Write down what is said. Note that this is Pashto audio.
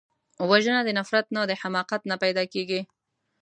وژنه د نفرت نه، د حماقت نه پیدا کېږي